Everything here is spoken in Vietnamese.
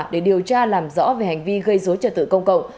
để điều tra làm rõ về hành vi gây dối trật tự công cộng